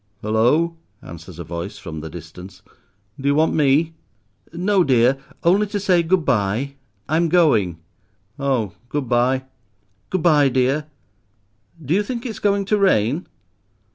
"Hullo," answers a voice from the distance. "Do you want me?" "No, dear, only to say good bye. I'm going." "Oh, good bye." "Good bye, dear. Do you think it's going to rain?"